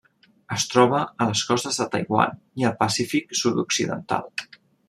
Es troba a les costes de Taiwan i al Pacífic sud-occidental.